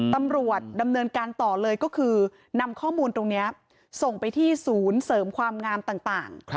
ตำรวจดำเนินการต่อเลยก็คือนำข้อมูลตรงนี้ส่งไปที่ศูนย์เสริมความงามต่าง